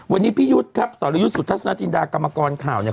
วันนี้พี่ยุทธ์ครับสรยุทธ์สุทัศนาจินดากรรมกรข่าวเนี่ย